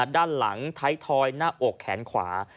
ด้านหลังท้ายทอยหน้าอกแขนขวา